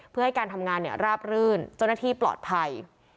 เพื่อให้การทำงานราบรื่นเจ้าหน้าที่ปลอดภัย